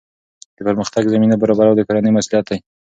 د پرمختګ زمینه برابرول د کورنۍ مسؤلیت دی.